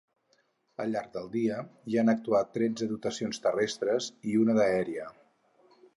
Al llarg del dia hi han actuat tretze dotacions terrestres i una d’aèria.